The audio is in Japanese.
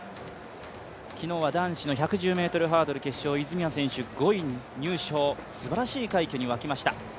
昨日は男子１１０ｍハードル決勝、泉谷選手５位入賞すばらしい快挙に沸きました。